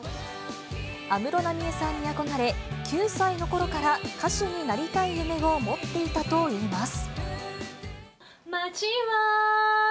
安室奈美恵さんに憧れ、９歳のころから歌手になりたい夢を持っていたといいます。